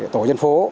tổ dân phố